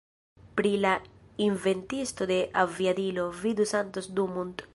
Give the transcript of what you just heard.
Pri la inventisto de aviadilo, vidu Santos Dumont.